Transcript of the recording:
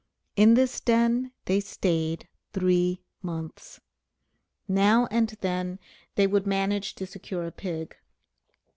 In this den they stayed three months. Now and then they would manage to secure a pig.